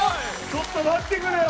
ちょっと待ってくれよ！